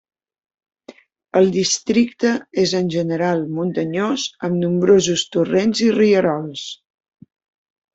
El districte és en general muntanyós amb nombrosos torrents i rierols.